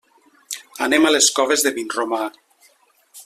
Anem a les Coves de Vinromà.